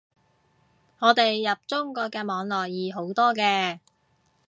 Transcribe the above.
我哋入中國嘅網絡易好多嘅